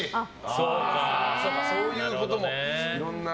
そうか、そういうこともね。